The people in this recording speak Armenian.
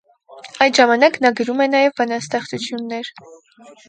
Այդ ժամանակ նա գրում է նաև բանաստեղծություններ։